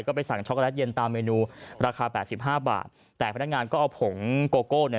ก็ไปสั่งช็อกโลตเย็นตามเมนูราคาแปดสิบห้าบาทแต่พนักงานก็เอาผงโกโก้เนี่ย